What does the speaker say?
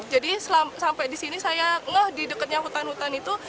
jadi sampai di sini saya ngeh di dekatnya hutan hutan itu